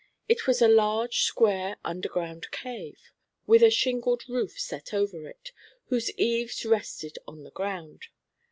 It was a large, square underground cave, with a shingled roof set over it, whose eaves rested on the ground.